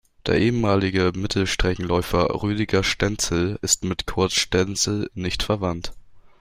Der ehemalige Mittelstreckenläufer Rüdiger Stenzel ist mit Kurt Stenzel nicht verwandt.